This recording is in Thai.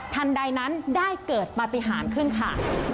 ทันใดนั้นได้เกิดปฏิหารขึ้นค่ะ